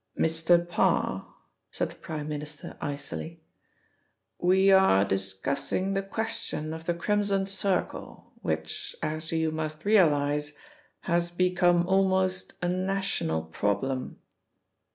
"Mr. Parr," said the Prime Minister icily, "we are discussing the question of the Crimson Circle, which, as you must realise, has become almost a national problem.